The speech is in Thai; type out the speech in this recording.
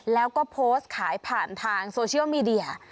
แล้วก็โพสต์ขายผ่านทางโซเชียลมีเดีย